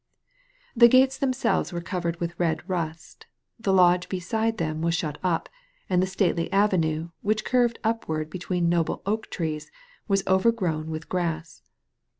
The gates themselves were covered with red rust, the lodge beside them was shut up, and the stately avenue, which curved upward between noble oak trees, was overgrown with grass.